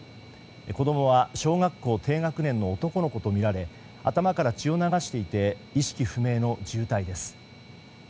子供は小学校低学年の男の子とみられ頭から血を流していて意識不明の重体です。